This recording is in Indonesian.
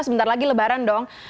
sebentar lagi lebaran dong